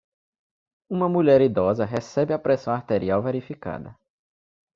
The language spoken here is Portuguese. Uma mulher idosa recebe a pressão arterial verificada.